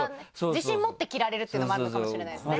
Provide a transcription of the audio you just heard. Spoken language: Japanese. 自信持って着られるっていうのもあるのかもしれないですね。